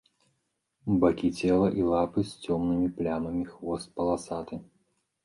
Бакі цела і лапы з цёмнымі плямамі, хвост паласаты.